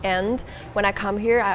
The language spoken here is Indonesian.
ketika saya datang ke sini